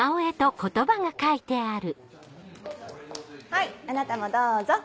・はいあなたもどうぞ。